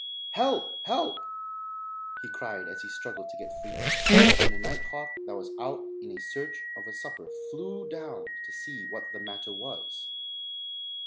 "Help! help!" he cried as he struggled to get free, and a night hawk that was out in a search of a supper flew down to see what the matter was.